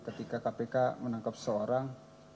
ketika kpk menangkap seorang